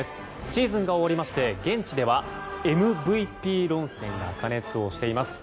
シーズンが終わりまして現地ではＭＶＰ論戦が過熱をしています。